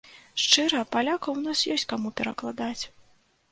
Шчыра, палякаў у нас ёсць каму перакладаць.